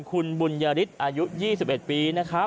คุณบุญญาริสอายุ๒๑ปี